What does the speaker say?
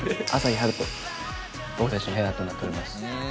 僕たちの部屋となっております。